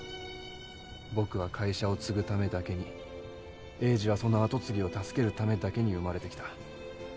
僕は会社を継ぐためだけに栄治はその後継ぎを助けるためだけに生まれてきた。